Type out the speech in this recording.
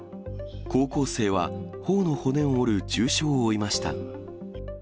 高校生は、ほおの骨を折る重傷を負いました。